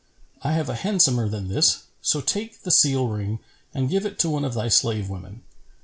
I have a handsomer than this: so take the seal ring and give it to one of thy slave women."